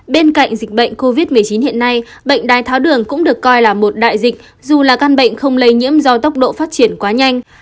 bên cạnh dịch bệnh covid một mươi chín hiện nay bệnh đai tháo đường cũng được coi là một đại dịch dù là căn bệnh không lây nhiễm do tốc độ phát triển quá nhanh